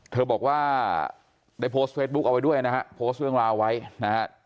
เธอบอกว่าได้โพสต์เฟซบุ๊คเอาไว้ด้วยนะฮะโพสต์เรื่องราวไว้นะฮะ